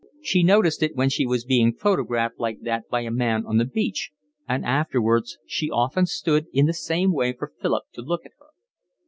She noticed it when she was being photographed like that by a man on the beach, and afterwards she often stood in the same way for Philip to look at her.